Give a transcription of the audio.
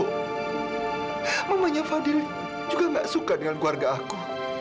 dan mamanya fadil juga tidak suka dengan keluarga aku